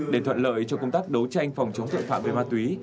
để thuận lợi cho công tác đấu tranh phòng chống tội phạm về ma túy